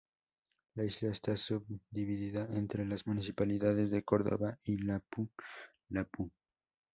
La isla está subdividida entre las municipalidades de Córdova y Lapu-Lapu.